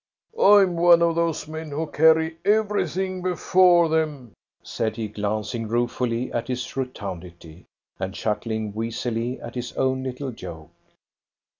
"I'm one of those men who carry everything before them," said he, glancing ruefully at his rotundity, and chuckling wheezily at his own little joke.